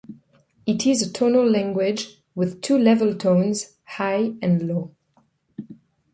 It is a tonal language with two level tones, High and Low.